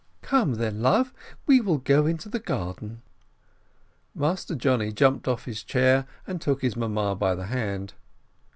"Come, then, love, we will go into the garden." Master Johnny jumped off his chair, and took his mamma by the hand.